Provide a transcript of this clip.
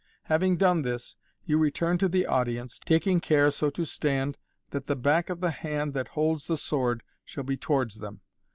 Having done this, you return to the audience, taking care so to stand that the back of the hand that holds the sword shall be towards them.